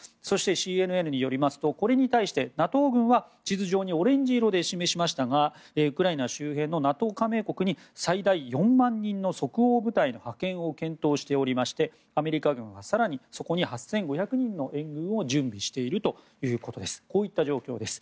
そして、ＣＮＮによりますとこれに対してＮＡＴＯ軍は地図上にオレンジ色で示しましたがウクライナの周辺のＮＡＴＯ加盟国に最大４万人の即応部隊の派遣を検討しておりましてアメリカ軍は更にそこに８５００人の援軍を準備しているということです。